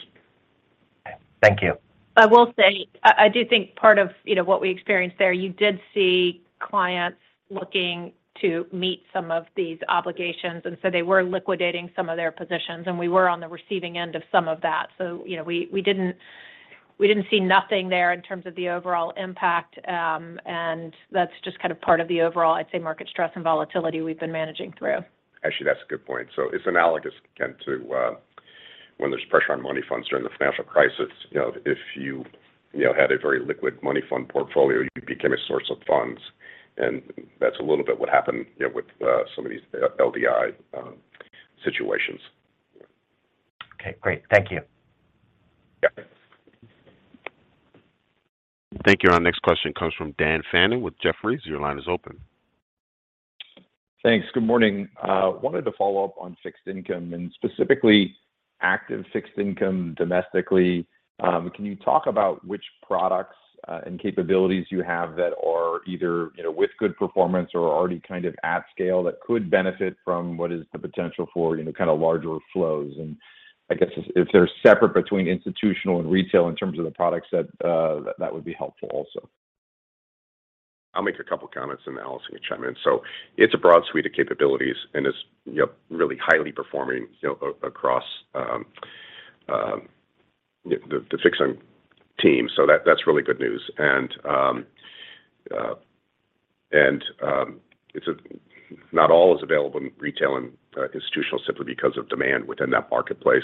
[SPEAKER 8] Thank you.
[SPEAKER 4] I will say, I do think part of, you know, what we experienced there, you did see clients looking to meet some of these obligations, and so they were liquidating some of their positions, and we were on the receiving end of some of that. You know, we didn't see nothing there in terms of the overall impact, and that's just kind of part of the overall, I'd say, market stress and volatility we've been managing through.
[SPEAKER 3] Actually, that's a good point. It's analogous, again, to when there's pressure on money funds during the financial crisis. You know, if you know, had a very liquid money fund portfolio, you became a source of funds, and that's a little bit what happened, you know, with some of these LDI situations.
[SPEAKER 8] Okay, great. Thank you.
[SPEAKER 3] Yeah.
[SPEAKER 1] Thank you. Our next question comes from Dan Fannon with Jefferies. Your line is open.
[SPEAKER 9] Thanks. Good morning. Wanted to follow up on fixed income and specifically active fixed income domestically. Can you talk about which products and capabilities you have that are either, you know, with good performance or already kind of at scale that could benefit from what is the potential for, you know, kind of larger flows? I guess if they're separate between institutional and retail in terms of the products that would be helpful also.
[SPEAKER 3] I'll make a couple comments, and Allison can chime in. It's a broad suite of capabilities, and it's, you know, really highly performing, you know, across the fixed income team. That's really good news. It's not all available in retail and institutional simply because of demand within that marketplace.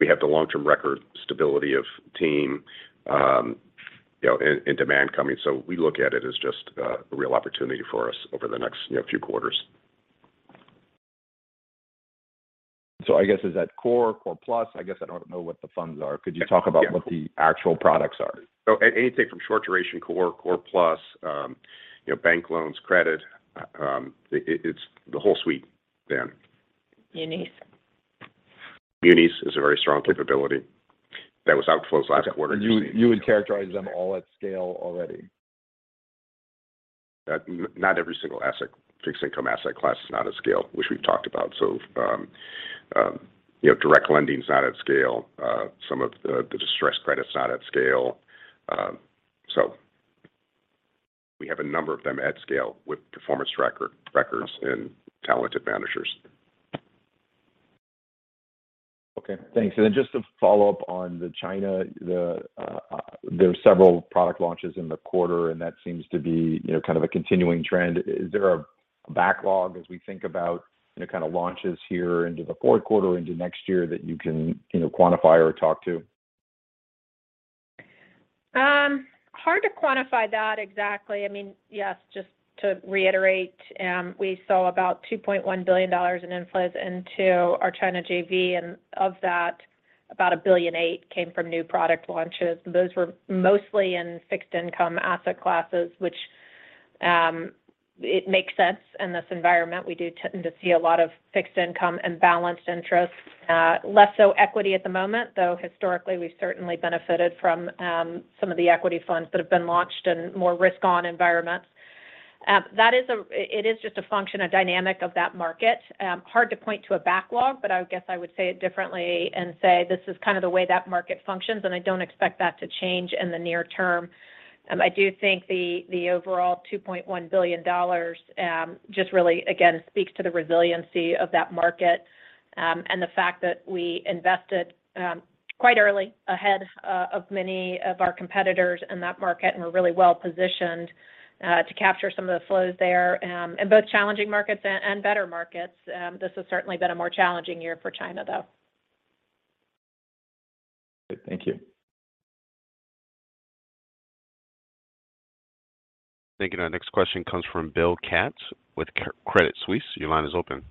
[SPEAKER 3] We have the long-term record stability of team, you know, and demand coming. We look at it as just a real opportunity for us over the next, you know, few quarters.
[SPEAKER 9] I guess, is that core plus? I guess I don't know what the funds are. Could you talk about what the actual products are?
[SPEAKER 3] Anything from short duration core plus, you know, bank loans, credit, it's the whole suite, Dan.
[SPEAKER 4] Munis.
[SPEAKER 3] Unis is a very strong capability. There was outflows last quarter.
[SPEAKER 9] You would characterize them all at scale already.
[SPEAKER 3] Not every single asset, fixed income asset class is not at scale, which we've talked about. You know, direct lending's not at scale. Some of the distressed credit's not at scale. We have a number of them at scale with performance records and talented managers.
[SPEAKER 9] Okay, thanks. Just to follow up on the China, there were several product launches in the quarter, and that seems to be, you know, kind of a continuing trend. Is there a backlog as we think about, you know, kind of launches here into the fourth quarter or into next year that you can, you know, quantify or talk to?
[SPEAKER 4] Hard to quantify that exactly. I mean, yes, just to reiterate, we saw about $2.1 billion in inflows into our China JV, and of that, about $1.8 billion came from new product launches. Those were mostly in fixed income asset classes, which it makes sense in this environment. We do tend to see a lot of fixed income and balanced interest. Less so equity at the moment, though historically, we've certainly benefited from some of the equity funds that have been launched in more risk-on environments. That is just a function, a dynamic of that market. Hard to point to a backlog, but I guess I would say it differently and say this is kind of the way that market functions, and I don't expect that to change in the near term. I do think the overall $2.1 billion just really, again, speaks to the resiliency of that market and the fact that we invested quite early ahead of many of our competitors in that market and we're really well-positioned to capture some of the flows there in both challenging markets and better markets. This has certainly been a more challenging year for China, though.
[SPEAKER 9] Thank you.
[SPEAKER 1] Thank you. Our next question comes from Bill Katz with Credit Suisse. Your line is open.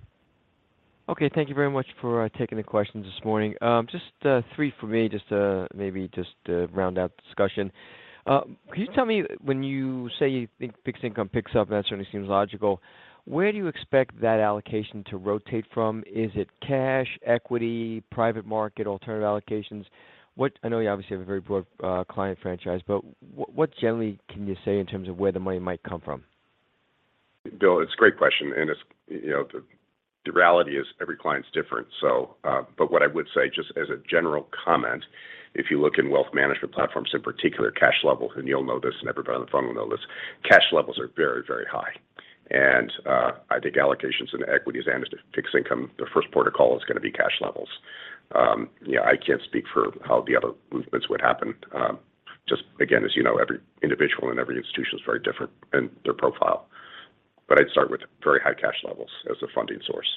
[SPEAKER 10] Okay. Thank you very much for taking the questions this morning. Just three for me, just to round out the discussion. Could you tell me when you say you think fixed income picks up, and that certainly seems logical, where do you expect that allocation to rotate from? Is it cash, equity, private market, alternative allocations? I know you obviously have a very broad client franchise, but what generally can you say in terms of where the money might come from?
[SPEAKER 3] Bill, it's a great question, and it's, you know, the reality is every client's different, so. What I would say just as a general comment, if you look in wealth management platforms, in particular cash levels, and you'll know this, and everybody on the phone will know this, cash levels are very, very high. I think allocations in equities and fixed income, their first port of call is gonna be cash levels. You know, I can't speak for how the other movements would happen. Just again, as you know, every individual and every institution is very different in their profile. I'd start with very high cash levels as a funding source.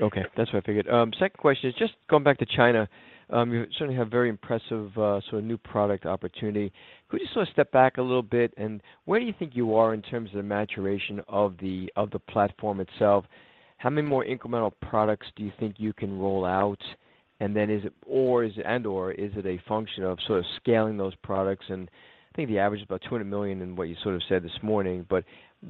[SPEAKER 10] Okay. That's what I figured. Second question is just going back to China. You certainly have very impressive sort of new product opportunity. Could you sort of step back a little bit, and where do you think you are in terms of the maturation of the platform itself? How many more incremental products do you think you can roll out? And then and/or is it a function of sort of scaling those products? And I think the average is about $200 million in what you sort of said this morning, but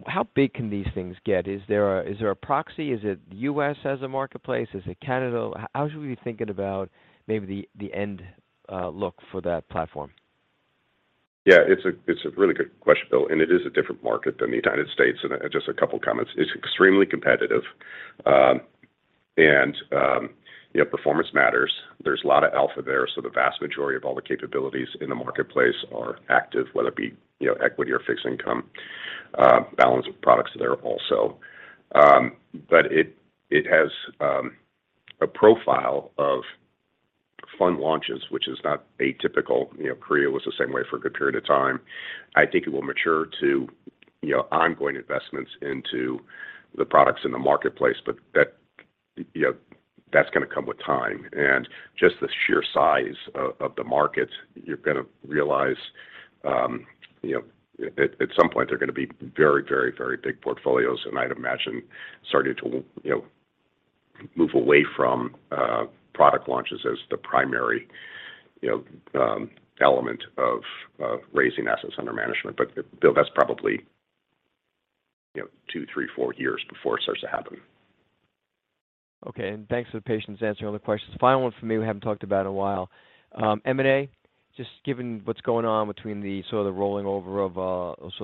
[SPEAKER 10] how big can these things get? Is there a proxy? Is it U.S. as a marketplace? Is it Canada? How should we be thinking about maybe the end look for that platform?
[SPEAKER 3] Yeah, it's a really good question, Bill, and it is a different market than the United States. Just a couple comments. It's extremely competitive, and you know, performance matters. There's a lot of alpha there, so the vast majority of all the capabilities in the marketplace are active, whether it be, you know, equity or fixed income, balance of products there also. But it has a profile of fund launches, which is not atypical. You know, Korea was the same way for a good period of time. I think it will mature to, you know, ongoing investments into the products in the marketplace, but that, you know, that's gonna come with time. Just the sheer size of the market, you're gonna realize, you know, at some point they're gonna be very big portfolios. I'd imagine starting to, you know, move away from product launches as the primary, you know, element of raising assets under management. Bill, that's probably, you know, two, three, four years before it starts to happen.
[SPEAKER 10] Okay. Thanks for the patience answering all the questions. Final one for me, we haven't talked about in a while. M&A, just given what's going on between the rolling over of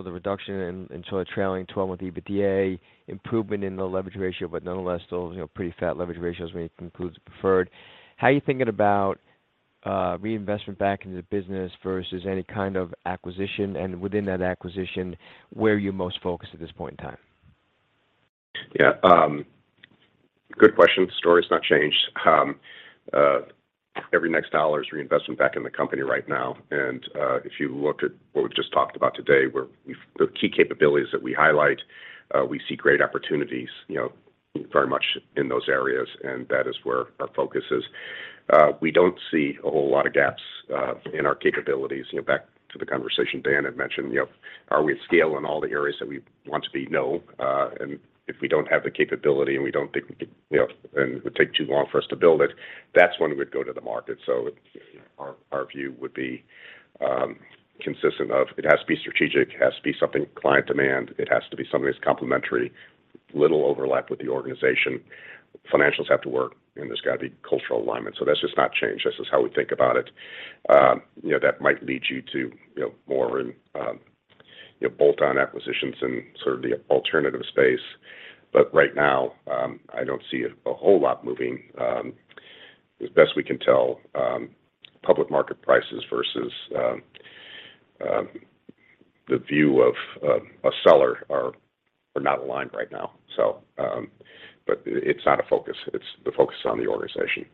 [SPEAKER 10] the reduction in trailing 12-month EBITDA, improvement in the leverage ratio, but nonetheless, still, you know, pretty fat leverage ratios when it includes preferred. How are you thinking about reinvestment back into the business versus any kind of acquisition? And within that acquisition, where are you most focused at this point in time?
[SPEAKER 3] Yeah. Good question. Story's not changed. Every next dollar is reinvestment back in the company right now. If you look at what we've just talked about today, we've the key capabilities that we highlight, we see great opportunities, you know, very much in those areas, and that is where our focus is. We don't see a whole lot of gaps in our capabilities. You know, back to the conversation Dan had mentioned, you know, are we at scale in all the areas that we want to be? No. If we don't have the capability, and we don't think we can, you know, and it would take too long for us to build it, that's when we'd go to the market. Our view would be consistent with it has to be strategic, it has to be something clients demand, it has to be something that's complementary, little overlap with the organization. Financials have to work, and there's got to be cultural alignment. That's just not changed. That's just how we think about it. You know, that might lead you to, you know, more in, you know, bolt-on acquisitions in sort of the alternative space. Right now, I don't see a whole lot moving. As best we can tell, public market prices versus the view of a seller are not aligned right now. It's not a focus. It's the focus on the organization.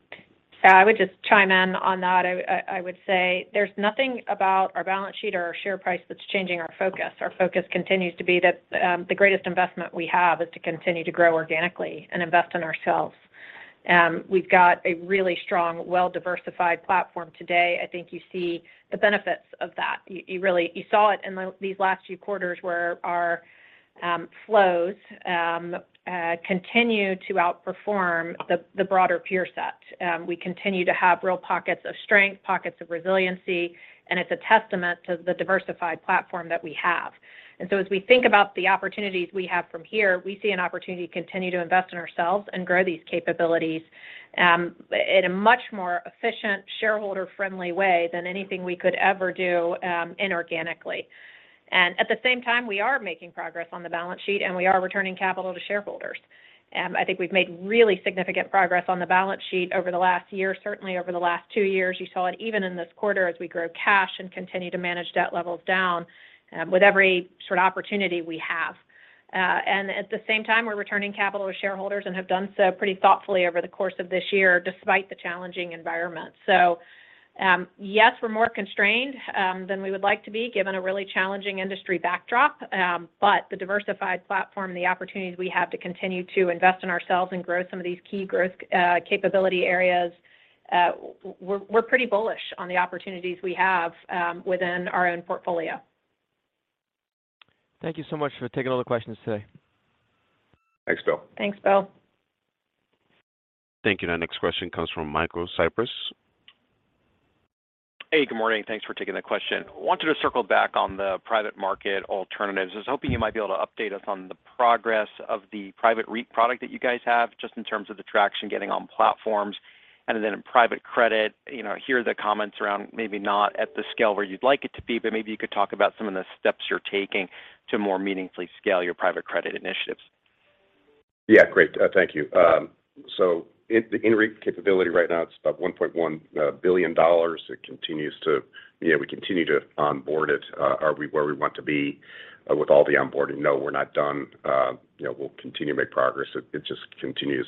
[SPEAKER 4] Yeah. I would just chime in on that. I would say there's nothing about our balance sheet or our share price that's changing our focus. Our focus continues to be that the greatest investment we have is to continue to grow organically and invest in ourselves. We've got a really strong, well-diversified platform today. I think you see the benefits of that. You really saw it in these last few quarters where our flows continue to outperform the broader peer set. We continue to have real pockets of strength, pockets of resiliency, and it's a testament to the diversified platform that we have. As we think about the opportunities we have from here, we see an opportunity to continue to invest in ourselves and grow these capabilities, in a much more efficient, shareholder-friendly way than anything we could ever do, inorganically. At the same time, we are making progress on the balance sheet, and we are returning capital to shareholders. I think we've made really significant progress on the balance sheet over the last year, certainly over the last two years. You saw it even in this quarter as we grew cash and continue to manage debt levels down, with every sort of opportunity we have. At the same time, we're returning capital to shareholders and have done so pretty thoughtfully over the course of this year despite the challenging environment. Yes, we're more constrained than we would like to be given a really challenging industry backdrop. The diversified platform, the opportunities we have to continue to invest in ourselves and grow some of these key growth capability areas, we're pretty bullish on the opportunities we have within our own portfolio.
[SPEAKER 10] Thank you so much for taking all the questions today.
[SPEAKER 3] Thanks, Bill.
[SPEAKER 4] Thanks, Bill.
[SPEAKER 1] Thank you. Our next question comes from Michael Cyprys.
[SPEAKER 11] Hey, good morning. Thanks for taking the question. Wanted to circle back on the private market alternatives. I was hoping you might be able to update us on the progress of the private REIT product that you guys have, just in terms of the traction getting on platforms. In private credit, you know, hear the comments around maybe not at the scale where you'd like it to be, but maybe you could talk about some of the steps you're taking to more meaningfully scale your private credit initiatives?
[SPEAKER 3] Yeah, great. Thank you. INREIT capability right now it's about $1.1 billion. You know, we continue to onboard it. Are we where we want to be with all the onboarding? No, we're not done. You know, we'll continue to make progress. It just continues.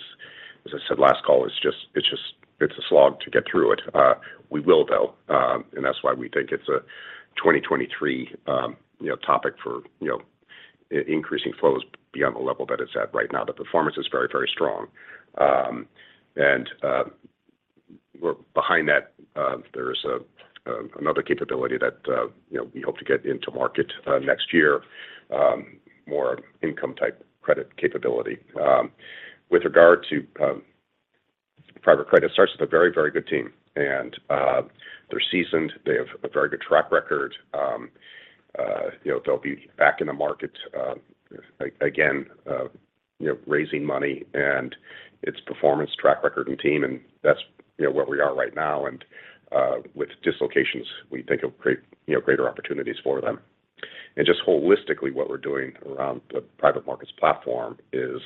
[SPEAKER 3] As I said last call, it's just a slog to get through it. We will though, and that's why we think it's a 2023 topic for you know increasing flows beyond the level that it's at right now. The performance is very strong. You know, we're behind that. There is another capability that you know we hope to get into market next year. More income type credit capability. With regard to private credit, it starts with a very, very good team. They're seasoned. They have a very good track record. You know, they'll be back in the market again, you know, raising money and its performance, track record, and team, and that's, you know, where we are right now. With dislocations, we think of great, you know, greater opportunities for them. Just holistically what we're doing around the private markets platform is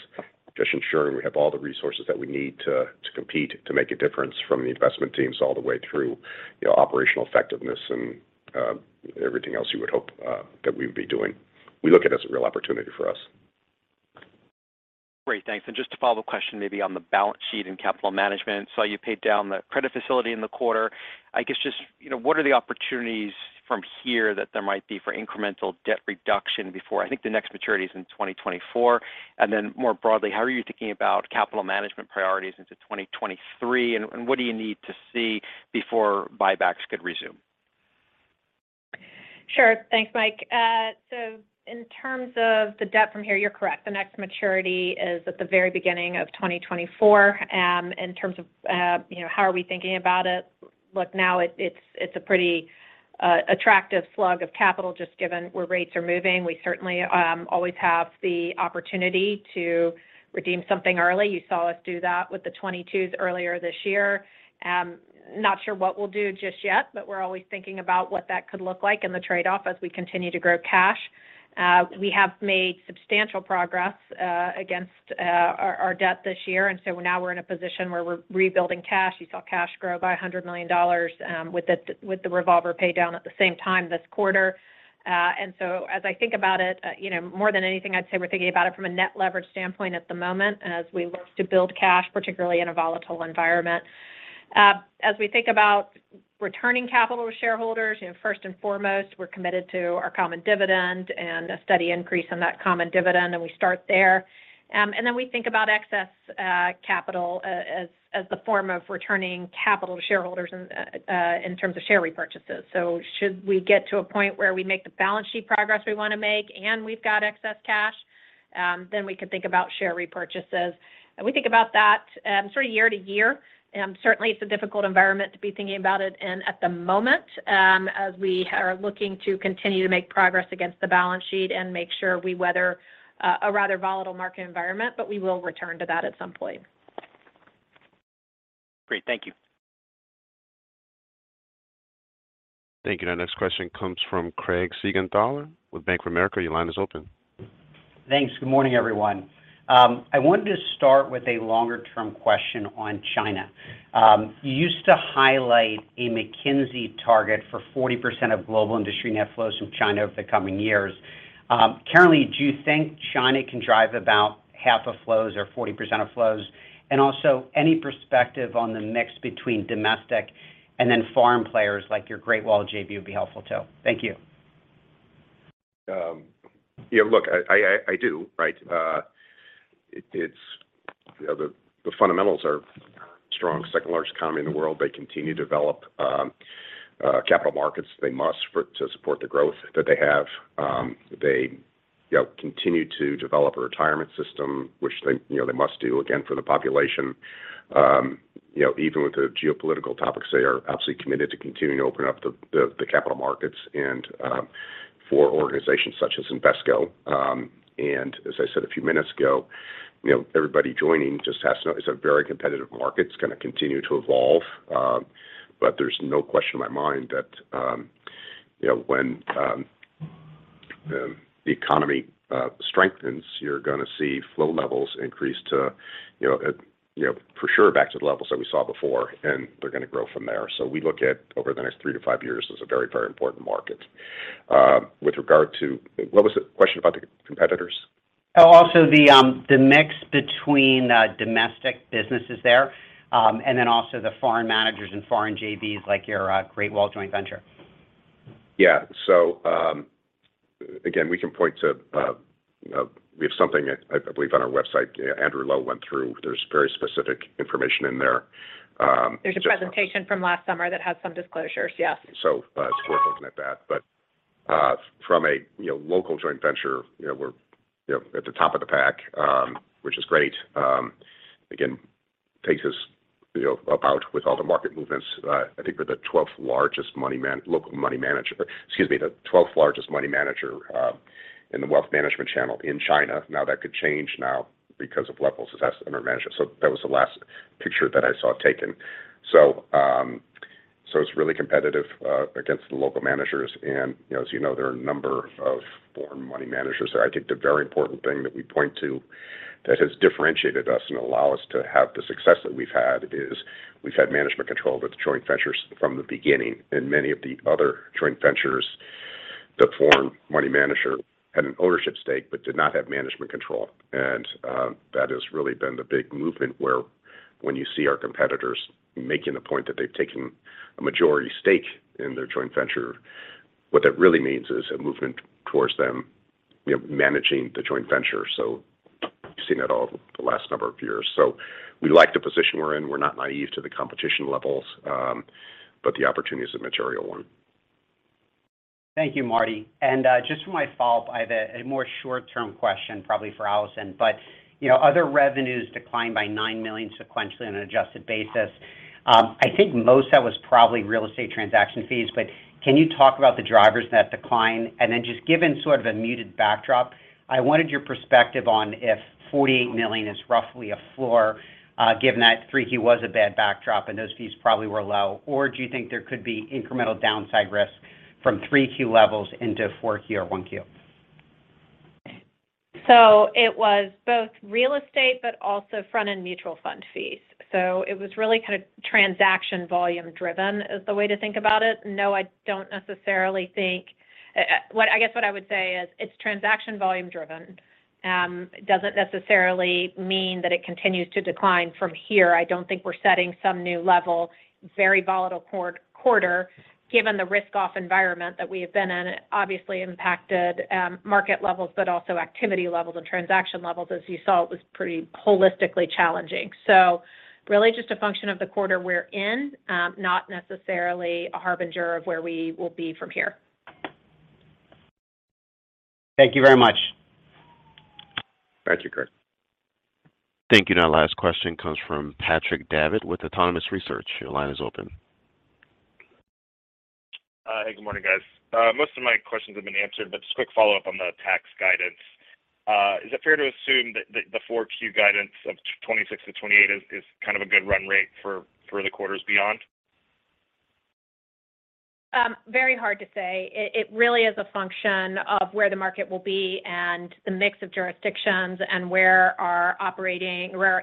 [SPEAKER 3] just ensuring we have all the resources that we need to compete to make a difference from the investment teams all the way through, you know, operational effectiveness and everything else you would hope that we'd be doing. We look at it as a real opportunity for us.
[SPEAKER 11] Great. Thanks. Just a follow-up question maybe on the balance sheet and capital management. Saw you paid down the credit facility in the quarter. I guess just, you know, what are the opportunities from here that there might be for incremental debt reduction before, I guess the next maturity is in 2024. More broadly, how are you thinking about capital management priorities into 2023, and what do you need to see before buybacks could resume?
[SPEAKER 4] Sure. Thanks, Mike. In terms of the debt from here, you're correct. The next maturity is at the very beginning of 2024. In terms of you know how we are thinking about it. Look, now it's a pretty attractive slug of capital just given where rates are moving. We certainly always have the opportunity to redeem something early. You saw us do that with the 2022s earlier this year. Not sure what we'll do just yet, but we're always thinking about what that could look like and the trade-off as we continue to grow cash. We have made substantial progress against our debt this year, and so now we're in a position where we're rebuilding cash. You saw cash grow by $100 million, with the revolver pay down at the same time this quarter. As I think about it, you know, more than anything, I'd say we're thinking about it from a net leverage standpoint at the moment as we look to build cash, particularly in a volatile environment. As we think about returning capital to shareholders, you know, first and foremost, we're committed to our common dividend and a steady increase in that common dividend, and we start there. Then we think about excess capital as the form of returning capital to shareholders in terms of share repurchases. Should we get to a point where we make the balance sheet progress we wanna make and we've got excess cash, then we can think about share repurchases. We think about that, sort of year to year. Certainly it's a difficult environment to be thinking about it in at the moment, as we are looking to continue to make progress against the balance sheet and make sure we weather a rather volatile market environment, but we will return to that at some point.
[SPEAKER 11] Great. Thank you.
[SPEAKER 1] Thank you. Now next question comes from Craig Siegenthaler with Bank of America. Your line is open.
[SPEAKER 12] Thanks. Good morning, everyone. I wanted to start with a long-term question on China. You used to highlight a McKinsey target for 40% of global industry net flows from China over the coming years. Currently, do you think China can drive about half of flows or 40% of flows? Also, any perspective on the mix between domestic and then foreign players like your Great Wall JV would be helpful too? Thank you.
[SPEAKER 3] Yeah, look, I do, right? It's, you know, the fundamentals are strong. Second largest economy in the world. They continue to develop capital markets. They must to support the growth that they have. They, you know, continue to develop a retirement system, which they, you know, they must do, again, for the population. You know, even with the geopolitical topics, they are absolutely committed to continuing to open up the capital markets and for organizations such as Invesco. As I said a few minutes ago, you know, everybody joining just has to know it's a very competitive market. It's gonna continue to evolve. There's no question in my mind that, you know, when the economy strengthens, you're gonna see flow levels increase to, you know, you know, for sure back to the levels that we saw before, and they're gonna grow from there. We look at over the next three to five years as a very, very important market. With regard to what was the question about the competitors?
[SPEAKER 12] Also the mix between domestic businesses there and then also the foreign managers and foreign JVs like your Great Wall joint venture?
[SPEAKER 3] Yeah. Again, we can point to you know, we have something I believe on our website Andrew Lo went through. There's very specific information in there.
[SPEAKER 4] There's a presentation from last summer that has some disclosures, yes.
[SPEAKER 3] It's worth looking at that. From a local joint venture, you know, we're you know, at the top of the pack, which is great. Again, takes us you know, about with all the market movements, I think we're the 12 largest local money manager. Excuse me, the 12 largest money manager in the wealth management channel in China. Now, that could change now because of levels of assets under management. That was the last picture that I saw taken. It's really competitive against the local managers. You know, as you know, there are a number of foreign money managers. I think the very important thing that we point to that has differentiated us and allow us to have the success that we've had is we've had management control with joint ventures from the beginning. Many of the other joint ventures, the foreign money manager had an ownership stake but did not have management control. That has really been the big movement where when you see our competitors making the point that they've taken a majority stake in their joint venture, what that really means is a movement towards them, you know, managing the joint venture. We've seen that all the last number of years. We like the position we're in. We're not naive to the competition levels, but the opportunity is a material one.
[SPEAKER 12] Thank you, Marty. Just to follow up, I have a more short-term question probably for Allison. You know, other revenues declined by $9 million sequentially on an adjusted basis. I think most of that was probably real estate transaction fees, but can you talk about the drivers of that decline? Then just given sort of a muted backdrop, I wanted your perspective on if $48 million is roughly a floor, given that 3Q was a bad backdrop and those fees probably were low. Or do you think there could be incremental downside risk from 3Q levels into 4Q or 1Q?
[SPEAKER 4] It was both real estate but also front-end mutual fund fees. It was really kind of transaction volume driven, is the way to think about it. No, I don't necessarily think. I guess what I would say is it's transaction volume driven. It doesn't necessarily mean that it continues to decline from here. I don't think we're setting some new level. Very volatile quarter, given the risk-off environment that we have been in. It obviously impacted market levels, but also activity levels and transaction levels. As you saw, it was pretty holistically challenging. Really just a function of the quarter we're in, not necessarily a harbinger of where we will be from here.
[SPEAKER 12] Thank you very much.
[SPEAKER 3] Thank you Craig.
[SPEAKER 1] Thank you. Now last question comes from Patrick Davitt with Autonomous Research. Your line is open.
[SPEAKER 13] Hey, good morning, guys. Most of my questions have been answered, but just a quick follow-up on the tax guidance. Is it fair to assume that the 4Q guidance of 26-28 is kind of a good run rate for the quarters beyond?
[SPEAKER 4] Very hard to say. It really is a function of where the market will be and the mix of jurisdictions and where our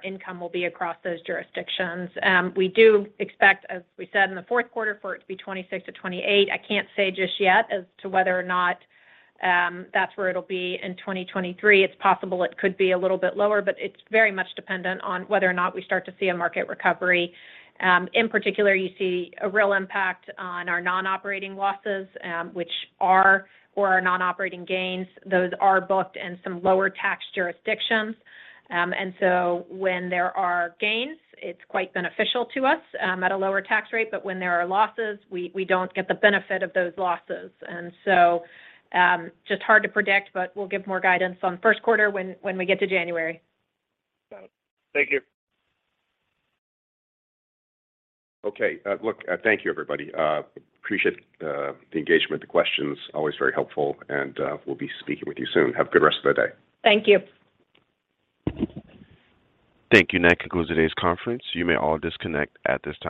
[SPEAKER 4] income will be across those jurisdictions. We do expect, as we said in the fourth quarter, for it to be 26%-28%. I can't say just yet as to whether or not that's where it'll be in 2023. It's possible it could be a little bit lower, but it's very much dependent on whether or not we start to see a market recovery. In particular, you see a real impact on our non-operating losses, which are, or our non-operating gains. Those are booked in some lower tax jurisdictions. When there are gains, it's quite beneficial to us at a lower tax rate. When there are losses, we don't get the benefit of those losses. Just hard to predict, but we'll give more guidance on first quarter when we get to January.
[SPEAKER 13] Got it. Thank you.
[SPEAKER 3] Okay. Look, thank you everybody. Appreciate the engagement, the questions. Always very helpful. We'll be speaking with you soon. Have a good rest of the day.
[SPEAKER 4] Thank you.
[SPEAKER 1] Thank you. That concludes today's conference. You may all disconnect at this time.